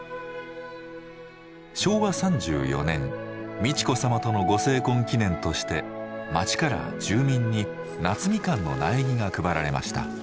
昭和３４年美智子さまとのご成婚記念として町から住民に夏みかんの苗木が配られました。